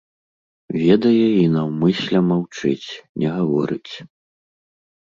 Ведае і наўмысля маўчыць, не гаворыць.